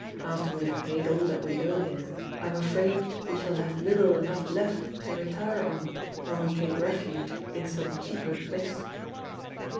After we have paid all that we owe here, I am afraid we shall have little enough left to retire on, when we take refuge in some cheaper place."